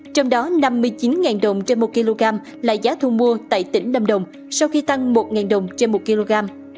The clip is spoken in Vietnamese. trong đó năm mươi chín ngàn đồng trên một kg là giá thu mua tại tỉnh đâm đồng sau khi tăng một ngàn đồng trên một kg